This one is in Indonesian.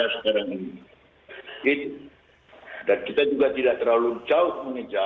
saya juga dengar itu